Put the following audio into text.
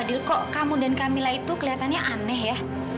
fadhil kok kamu dan kamila itu kelihatannya aneh ya